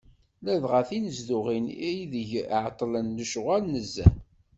Ladɣa tinezduɣin n ideg εeṭṭlen lecɣal nezzeh.